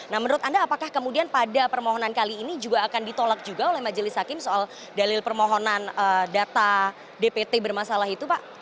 nah menurut anda apakah kemudian pada permohonan kali ini juga akan ditolak juga oleh majelis hakim soal dalil permohonan data dpt bermasalah itu pak